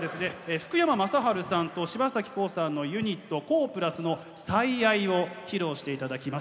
福山雅治さんと柴咲コウさんのユニットＫＯＨの「最愛」を披露して頂きます。